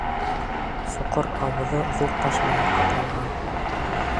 Соҡор ауыҙы ҙур таш менән ҡапланған.